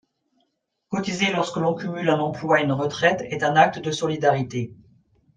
Cotiser lorsque l’on cumule un emploi et une retraite est un acte de solidarité.